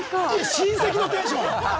親戚のテンション！